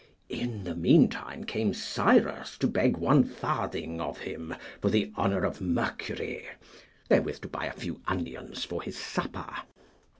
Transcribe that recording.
In the meantime came Cyrus to beg one farthing of him for the honour of Mercury, therewith to buy a few onions for his supper.